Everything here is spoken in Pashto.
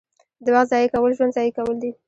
• د وخت ضایع کول ژوند ضایع کول دي.